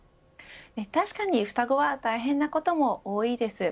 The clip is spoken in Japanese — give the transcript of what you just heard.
確かに双子は大変なことも多いです。